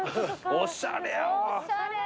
おしゃれー。